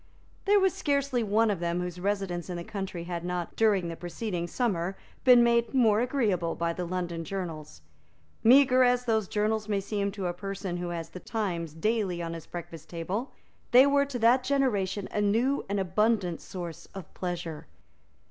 There was scarcely one of them whose residence in the country had not, during the preceding summer, been made more agreeable by the London journals. Meagre as those journals may seem to a person who has the Times daily on his breakfast table, they were to that generation a new and abundant source of pleasure.